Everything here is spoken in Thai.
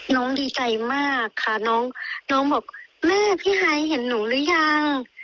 ดีใจมากค่ะน้องน้องบอกแม่พี่ไฮเห็นหนูหรือยัง